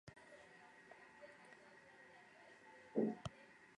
Garbi dago bere asmoa poetikoa baino gehiago, probokatzailea dela.